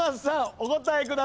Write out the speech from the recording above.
お答えください。